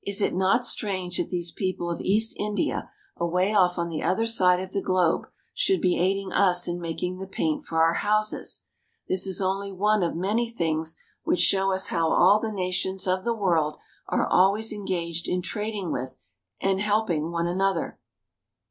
Is it not strange that these people of East India, away off on the other side of the globe, should be aiding us in making the paint for our houses ? This is only one of many things which show us how all the nations of the world are always engaged in trading with and helping one 266 AMONG THE INDIAN FARMERS another.